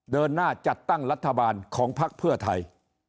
เดินหน้าจัดตั้งรัฐบาลของพักเพื่อไทย